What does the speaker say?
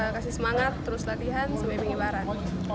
kasih semangat terus latihan semuanya mengibarat